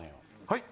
はい？